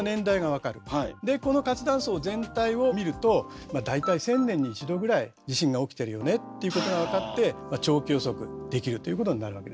でこの活断層全体を見るとまあ大体１，０００年に１度ぐらい地震が起きてるよねっていうことが分かってまあ長期予測できるということになるわけですね。